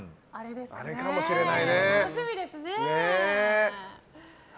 あれかもしれないね。